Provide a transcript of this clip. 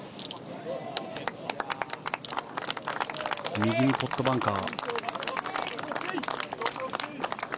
右にポットバンカー。